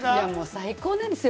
最高なんですよ。